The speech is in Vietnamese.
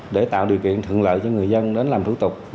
để tạo điều kiện thuận lợi cho người dân đến làm thủ tục